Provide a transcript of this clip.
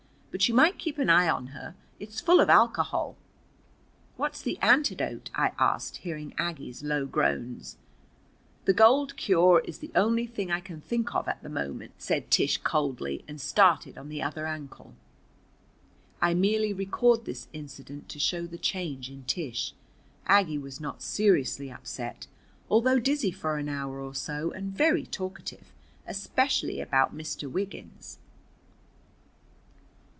But you might keep an eye on her. It's full of alcohol." "What's the antidote?" I asked, hearing Aggie's low groans. "The gold cure is the only thing I can think of at the moment," said Tish coldly, and started on the other ankle. I merely record this incident to show the change in Tish. Aggie was not seriously upset, although dizzy for an hour or so and very talkative, especially about Mr. Wiggins.